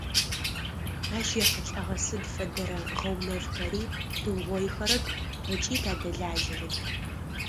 Ащ ехьылӏэгъэ сыд фэдэрэ гъэунэфхэри тыугъоихэрэп ыкӏи тадэлажьэрэп.